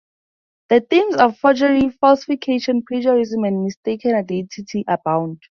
The themes of forgery, falsification, plagiarism, and mistaken identity abound.